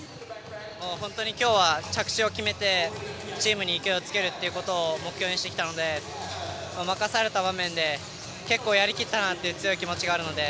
本当に今日は着地を決めてチームに勢いをつけることを目標にしてきたので任された場面で結構やり切ったなという強い気持ちがあるので